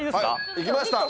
行きました。